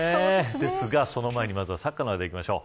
ですが、その前にサッカーの話題にいきましょう。